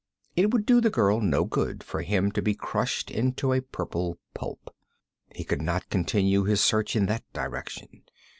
It would do the girl no good for him to be crushed into a purple pulp. He could not continue his search in that direction.